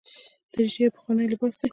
دریشي یو پخوانی لباس دی.